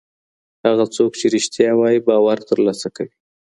هغه څوک چي رښتيا وايي، باور ترلاسه کوي.